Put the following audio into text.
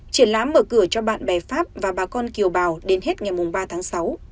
triển lãm mở cửa cho bạn bè pháp và bà con kiều bào đến hết ngày ba tháng sáu